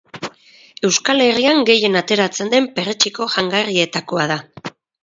Euskal Herrian gehien ateratzen den perretxiko jangarrietakoa da.